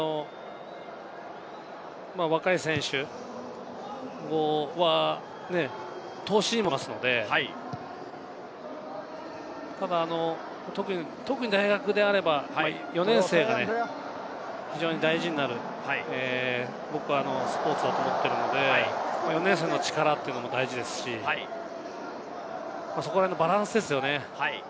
若い選手、投資にもなりますので、ただ特に大学であれば４年生が非常に大事になる僕はスポーツだと思っているので、４年生の力というのも大事ですし、そこら辺のバランスですよね。